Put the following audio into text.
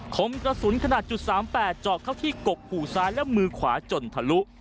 คมกระสุนขนาด๓๘เจาะเข้าที่กกหูซ้ายและมือขวาจนทะลุ